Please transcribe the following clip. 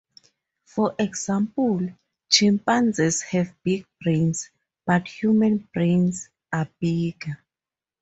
For example, chimpanzees have big brains, but human brains are bigger.